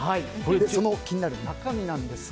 気になる中身なんですが。